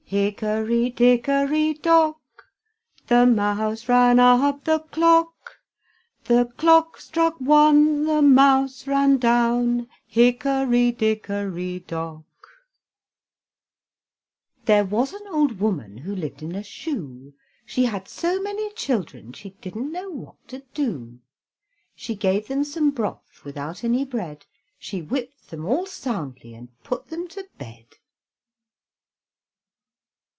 Hickory, dickory, dock, The mouse ran up the clock; The clock struck one, The mouse ran down, Hickory, dickory, dock. There was an old woman who lived in a shoe, She had so many children she didn't know what to do; She gave them some broth without any bread, She whipped them all soundly and put them to bed.